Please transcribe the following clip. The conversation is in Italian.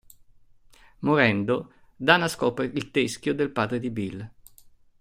Morendo, Dana scopre il teschio del padre di Billy.